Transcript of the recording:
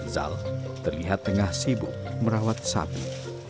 zal terlihat tengah sibuk merawat sapi